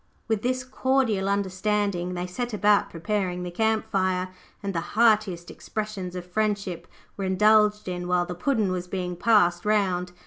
With this cordial understanding they set about preparing the camp fire, and the heartiest expressions of friendship were indulged in while the Puddin' was being passed round.